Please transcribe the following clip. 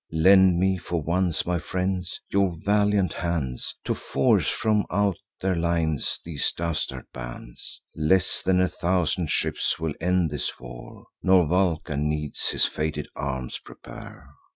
Lend me, for once, my friends, your valiant hands, To force from out their lines these dastard bands. Less than a thousand ships will end this war, Nor Vulcan needs his fated arms prepare.